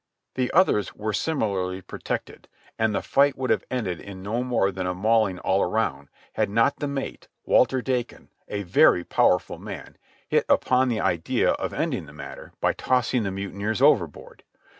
The others were similarly protected, and the fight would have ended in no more than a mauling all around, had not the mate, Walter Dakon, a very powerful man, hit upon the idea of ending the matter by tossing the mutineers overboard.